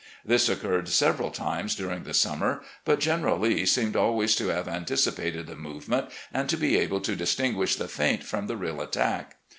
This occurred several times during the summer, but General Lee seemed always to have anticipated the movement and to be able to distinguish the feint from the real attack.